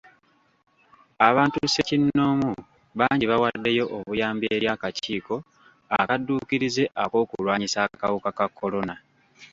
Abantu ssekinnoomu bangi bawaddeyo obuyambi eri akakiiko akadduukirize ak'okulwanyisa akawuka ka kolona.